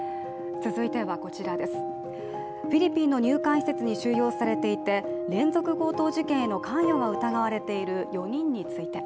続いては、フィリピンの入管施設に収容されていて、連続強盗事件への関与が疑われている４人について。